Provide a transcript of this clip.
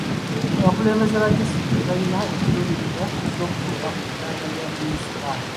Abakulembeze ba disitulikiti balina ekiruubirirwa ky'okutuuka ku ddaala lya munisipaali.